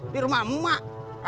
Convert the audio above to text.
di rumah mak